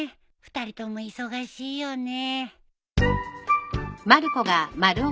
２人とも忙しいよね。